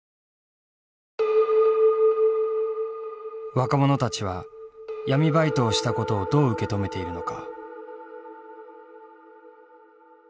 若者たちは闇バイトをしたことをどう受け止めているのか。